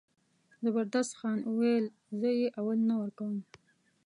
زبردست خان وویل زه یې اول نه ورکوم.